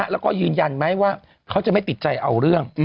แล้วก็ยืนยันไหมว่าเขาจะไม่ติดใจเอาเรื่อง